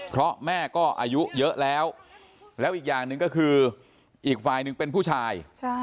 เพราะแม่ก็อายุเยอะแล้วแล้วอีกอย่างหนึ่งก็คืออีกฝ่ายหนึ่งเป็นผู้ชาย